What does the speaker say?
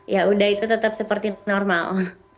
ya udah itu tetap seperti normal